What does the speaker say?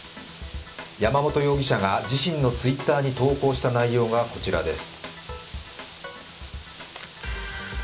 山本容疑者が自身のＴｗｉｔｔｅｒに投稿した内容が、こちらです。